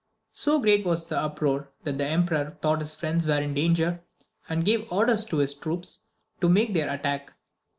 So great was the uproar, that the emperor thought his friends were in danger, and gave orders to his troops to make their attack.